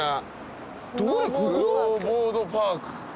スノーボードパーク。